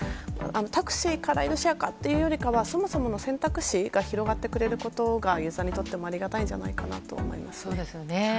タクシーかライドシェアかというよりはそもそもの選択肢が広がってくれることがユーザーにとってもありがたいんじゃないかなと思っています。